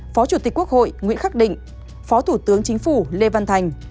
phó chủ tịch quốc hội nguyễn khắc định phó thủ tướng chính phủ lê văn thành